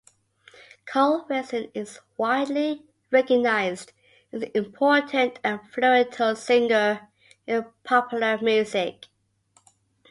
Carl Wilson is widely recognized as an important and influential singer in popular music.